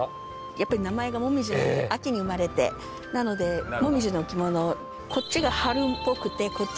やっぱり名前が紅葉なので秋に生まれてなので紅葉の着物をこっちが春っぽくてこっち